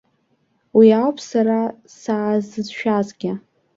Уи ауп сара саазыцәшәазгьы.